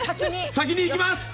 先にいきます！